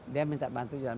dia minta bantu jalan